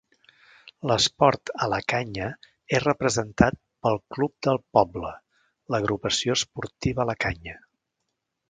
L'esport a la Canya és representat pel club del poble, l'Agrupació Esportiva La Canya.